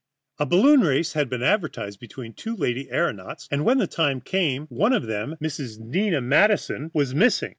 A balloon race had been advertised between two lady aëronauts, and when the time came one of them, Miss Nina Madison, was missing.